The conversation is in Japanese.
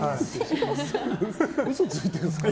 嘘ついてるんですか？